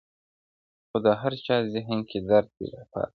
• خو د هر چا ذهن کي درد پاته وي,